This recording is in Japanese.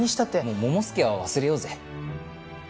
もう桃介は忘れようぜ。